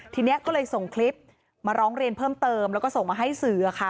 ทีนี้ก็เลยส่งคลิปมาร้องเรียนเพิ่มเติมแล้วก็ส่งมาให้สื่อค่ะ